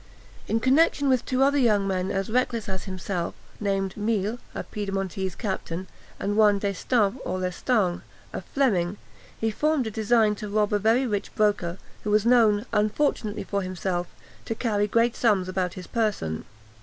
In connexion with two other young men as reckless as himself, named Mille, a Piedmontese captain, and one Destampes, or Lestang, a Fleming, he formed a design to rob a very rich broker, who was known, unfortunately for himself, to carry great sums about his person.